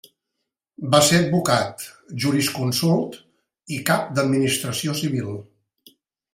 Va ser advocat, jurisconsult i cap d'administració civil.